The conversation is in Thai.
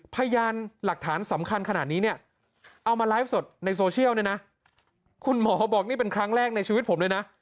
พยานหลักฐานสำคัญขนาดนี้เนี่ยเอามาไลฟ์สดในโซเชียลเนี่ยนะคุณหมอบอกนี่เป็นครั้งแรกในชีวิตผมเลยนะ